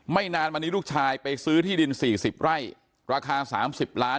ไม่นานมานี้ลูกชายไปซื้อที่ดินสี่สิบไร่ราคาสามสิบล้าน